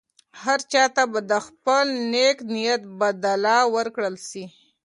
هر چا ته به د هغه د نېک نیت بدله ورکړل شي.